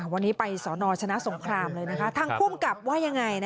วันนี้ไปสนชนะสงครามเลยนะคะทางภูมิกับว่ายังไง